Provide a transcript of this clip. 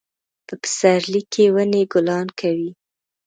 په پسرلي کې ونې ګلان کوي